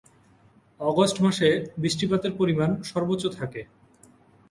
August মাসে বৃষ্টিপাতের পরিমাণ সর্বোচ্চ থাকে।